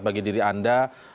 bagi diri anda